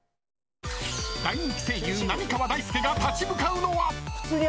大人気声優・浪川大輔が立ち向かうのは。